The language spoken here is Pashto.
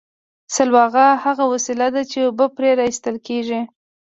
سلواغه هغه وسیله ده چې اوبه پرې را ایستل کیږي